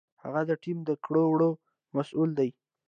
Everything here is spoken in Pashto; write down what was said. هغه د ټیم د کړو وړو مسؤل دی.